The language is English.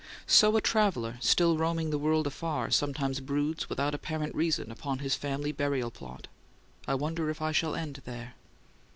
So a traveller, still roaming the world afar, sometimes broods without apparent reason upon his family burial lot: "I wonder if I shall end there."